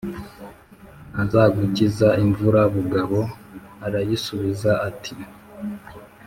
nazagukiza imvura Bugabo arayisubiza ati